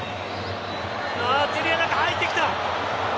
エリアの中、入ってきた。